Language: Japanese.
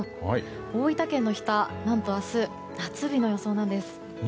大分県の日田、何と明日夏日の予想なんです。